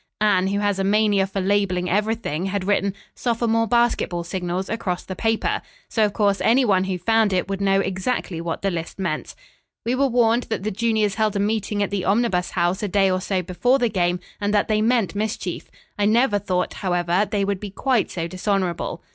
Anne, who has a mania for labeling everything, had written 'Sophomore basketball signals' across the paper; so, of course, any one who found it would know exactly what the list meant. "We were warned that the juniors held a meeting at the Omnibus House a day or so before the game, and that they meant mischief. I never thought, however, they would be quite so dishonorable.